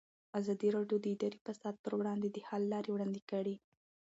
ازادي راډیو د اداري فساد پر وړاندې د حل لارې وړاندې کړي.